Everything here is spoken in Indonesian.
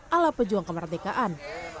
ala pejuang kemerdekaan